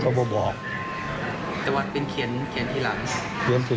ถ้าว่าต้องถอดนั่นหรือปกติ